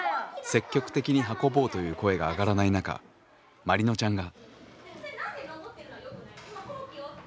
積極的に運ぼうという声が上がらない中まりのちゃんが。